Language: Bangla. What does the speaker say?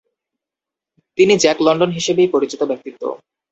তিনি জ্যাক লন্ডন হিসেবেই পরিচিত ব্যক্তিত্ব।